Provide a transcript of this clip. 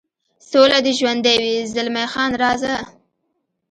سوله دې ژوندی وي، زلمی خان: راځه.